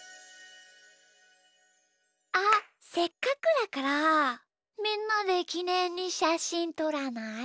あっせっかくだからみんなできねんにしゃしんとらない？